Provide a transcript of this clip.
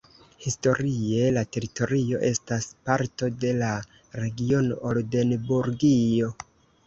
Historie la teritorio estas parto de la regiono Oldenburgio.